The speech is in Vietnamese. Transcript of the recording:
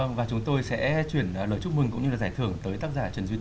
vâng và chúng tôi sẽ chuyển lời chúc mừng cũng như là giải thưởng tới tác giả trần duy